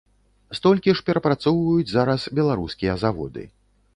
Столькі ж перапрацоўваюць зараз беларускія заводы.